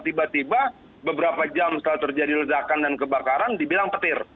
tiba tiba beberapa jam setelah terjadi ledakan dan kebakaran dibilang petir